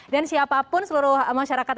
dan siapapun seluruh masyarakat